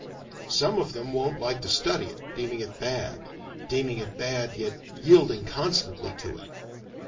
Some of them won't like to study it, deeming it bad deeming it bad yet yielding constantly to it.